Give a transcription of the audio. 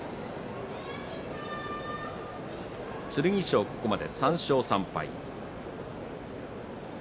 剣翔、ここまで３勝３敗。